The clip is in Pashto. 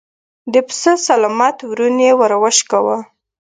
د پسه سلامت ورون يې ور وشکاوه.